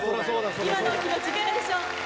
今のお気持ち、いかがでしょ